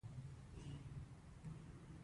مخکې له دې چې یو څه مصرف کړئ عاید لاسته راوړه.